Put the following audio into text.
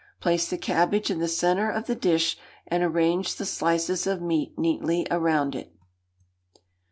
Place the cabbage in the centre of the dish, and arrange the slices of meat neatly around it.